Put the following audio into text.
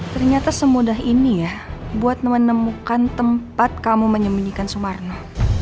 ternyata semudah ini ya buat menemukan tempat kamu menyembunyikan sumarno